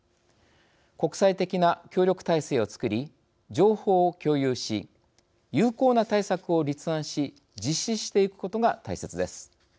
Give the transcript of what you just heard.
国際的な協力体制を作り情報を共有し有効な対策を立案し実施していくことが大切です。